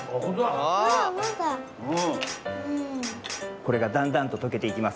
これがだんだんととけていきます。